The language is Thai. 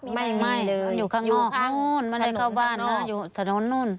ไม่ได้อยู่ข้างนอกนะโน่นมาได้เข้าบ้านเนอะถนนนู้น